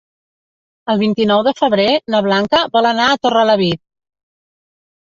El vint-i-nou de febrer na Blanca vol anar a Torrelavit.